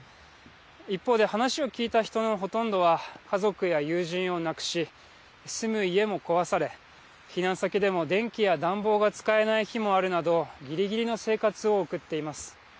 一方で話を聞いた人のほとんどは家族や友人を亡くし住む家も壊され避難先でも電気や暖房が使えない日もあるなどぎりぎりの生活を送っています。